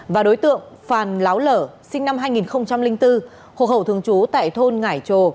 và đối tượng phàn láo lở sinh năm hai nghìn bốn hộ khẩu thường trú tại thôn ngải trồ